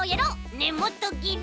ねもとぎり！